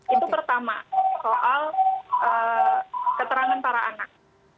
itu pertama soal keterangan para anak